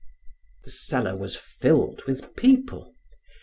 The cellar was filled with people.